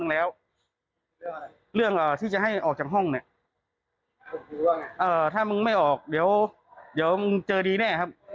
อ่าที่จะให้ออกจากห้องเนี่ยเอ่อถ้ามึงไม่ออกเดี๋ยวเดี๋ยวมึงเจอดีแน่ครับ